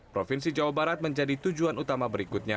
provinsi jawa barat menjadi tujuan utama berikutnya